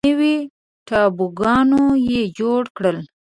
نوي ټاپوګانو یې جوړ کړل.